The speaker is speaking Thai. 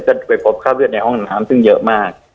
ก็ไปพบคราบเลือดในห้องน้ำซึ่งเยอะมาก